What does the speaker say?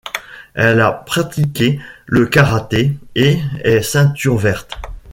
Elle a pratiqué le karaté et est ceinture verte.